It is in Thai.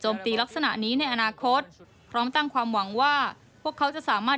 ตีลักษณะนี้ในอนาคตพร้อมตั้งความหวังว่าพวกเขาจะสามารถ